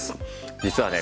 実はね